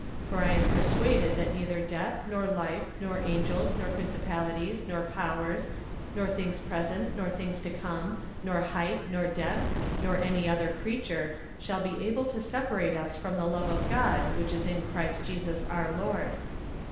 For I am persuaded that neither death, nor life, nor angels, nor principalities, nor powers, nor things present, nor things to come, nor height, nor depth, nor any other creature, shall be able to separate us from the love of God which is in Christ Jesus our Lord.